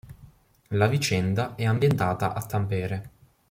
La vicenda è ambientata a Tampere.